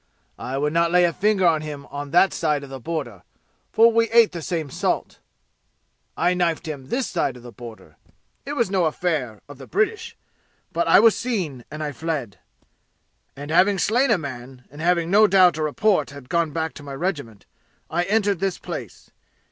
I would not lay finger on him that side of the border, for we ate the same salt. I knifed him this side the border. It was no affair of the British. But I was seen, and I fled. And having slain a man, and having no doubt a report had gone back to the regiment, I entered this place.